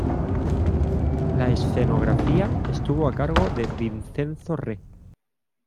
La escenografía estuvo a cargo de Vincenzo Re.